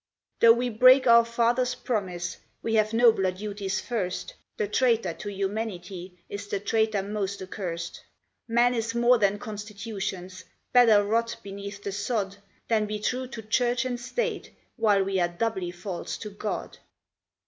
Though we break our fathers' promise, we have nobler duties first; The traitor to Humanity is the traitor most accursed; Man is more than Constitutions; better rot beneath the sod, Than be true to Church and State while we are doubly false to God!